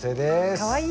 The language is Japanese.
かわいい！